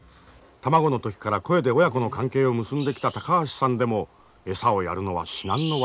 卵の時から声で親子の関係を結んできた高橋さんでも餌をやるのは至難の業だ。